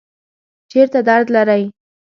چیرته درد لرئ؟